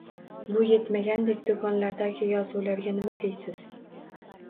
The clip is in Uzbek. Bu yetmagandek, do‘konlardagi yozuvlarga nima deysiz.